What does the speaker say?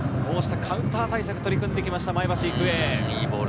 カウンター対策に取り組んできました前橋育英。